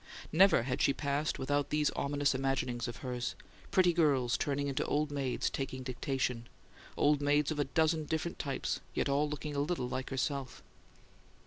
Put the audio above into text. Never had she passed without those ominous imaginings of hers: pretty girls turning into old maids "taking dictation" old maids of a dozen different types, yet all looking a little like herself.